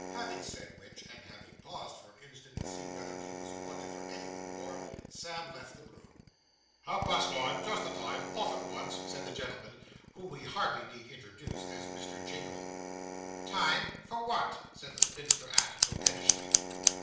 Having said which, and having paused for an instant to see whether he was wanted for anything more, Sam left the room. 'Half past nine just the time off at once;' said the gentleman, whom we need hardly introduce as Mr. Jingle. 'Time for what?' said the spinster aunt coquettishly.